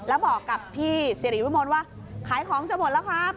แล้วบอกกับพี่สิริวิมลว่าขายของจะหมดแล้วครับ